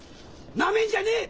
なめんじゃねえ！